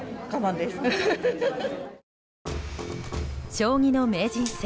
将棋の名人戦